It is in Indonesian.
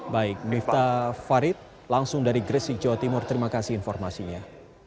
baik miftah farid langsung dari gresik jawa timur terima kasih informasinya